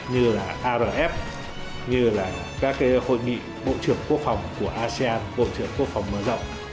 như là arf như là các hội nghị bộ trưởng quốc phòng của asean bộ trưởng quốc phòng mở rộng